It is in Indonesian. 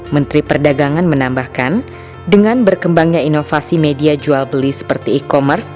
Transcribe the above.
menteri perdagangan menambahkan dengan berkembangnya inovasi media jual beli seperti e commerce